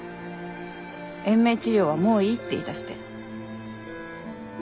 延命治療はもういいって」って言いだして。